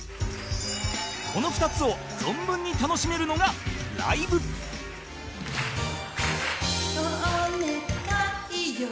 この２つを存分に楽しめるのが「お願いよ」